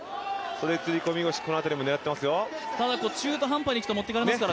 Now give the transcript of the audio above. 袖釣り込み、その辺りも狙ってますよ。